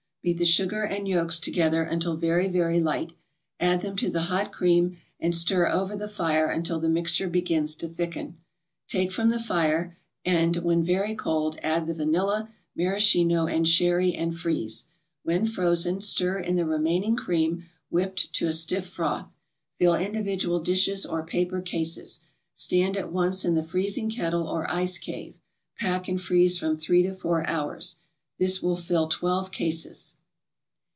Beat the sugar and yolks together until very, very light, add them to the hot cream and stir over the fire until the mixture begins to thicken. Take from the fire, and, when very cold, add the vanilla, maraschino and sherry, and freeze. When frozen, stir in the remaining cream, whipped to a stiff froth. Fill individual dishes or paper cases, stand at once in the freezing kettle or ice cave; pack and freeze from three to four hours. This will fill twelve cases.